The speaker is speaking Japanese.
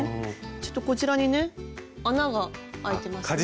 ちょっとこちらにね穴があいてますね。